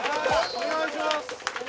お願いします